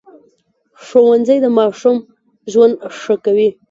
ښوونځی د ماشوم ژوند ښه کوي